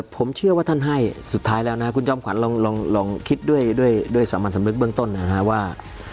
ผมเชื่อว่าท่านให้สุดท้ายแล้วนะคุณจอมขวัญลองคิดด้วยสามัญสำนึกเบื้องต้นนะครับว่า